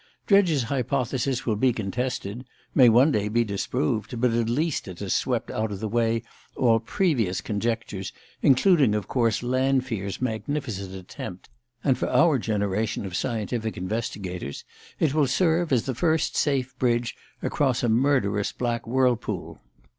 Dredge's hypothesis will be contested, may one day be disproved; but at least it has swept out of the way all previous conjectures, including of course Lanfear's magnificent attempt; and for our generation of scientific investigators it will serve as the first safe bridge across a murderous black whirlpool.